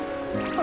あ？